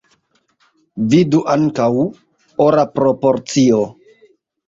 Vidu ankaŭ: Ora proporcio.